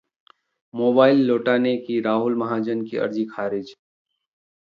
mobile लौटाने की राहुल महाजन की अर्जी खारिज